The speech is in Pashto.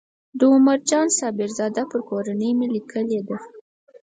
د عمر جان صاحبزاده پر کورنۍ مې لیکلې ده.